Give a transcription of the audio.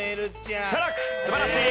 素晴らしい。